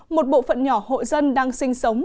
một bộ phận nhỏ hội dân đang sinh sống